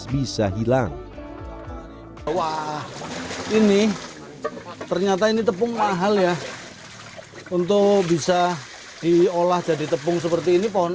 bisa hilang wah ini ternyata ini tepung mahal ya untuk bisa diolah jadi tepung seperti ini pohon